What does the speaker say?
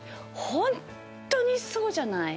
本当にそうじゃない？